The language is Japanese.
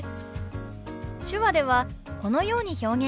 手話ではこのように表現します。